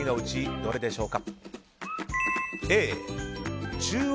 どれでしょうか。